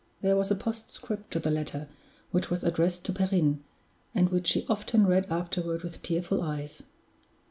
There was a postscript to the letter, which was addressed to Perrine, and which she often read afterward with tearful eyes.